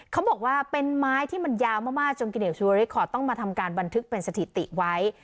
เขาบอกว่าเป็นไม้ที่มันยาวมากจนกิเนกชีวริสขอต้องมาทำการบันทึกเป็นสถิติไว้